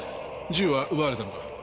銃は奪われたのか？